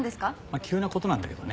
急な事なんだけどね。